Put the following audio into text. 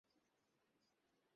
আমি বরং শুতে যাই।